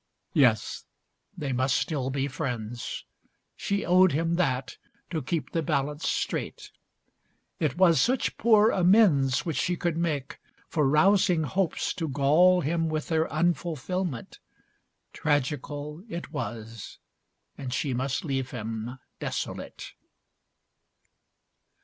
Yes, they must still be friends. She owed him that to keep the balance straight. It was such poor amends Which she could make for rousing hopes to gall Him with their unfulfilment. Tragical It was, and she must leave him desolate.